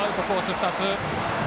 ２つ。